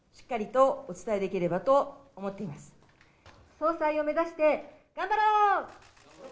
総裁を目指して頑張ろう。